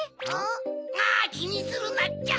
あきにするなっちゃ。